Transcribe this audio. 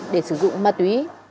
để sử dụng ma túy